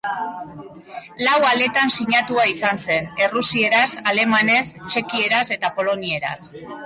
Lau aletan sinatua izan zen, errusieraz, alemanez, txekieraz eta polonieraz.